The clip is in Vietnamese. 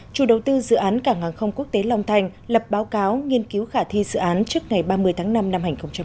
chủ đầu tư dự án cảng hàng không quốc tế long thành lập báo cáo nghiên cứu khả thi dự án trước ngày ba mươi tháng năm năm hai nghìn hai mươi